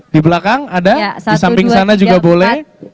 di belakang ada di samping sana juga boleh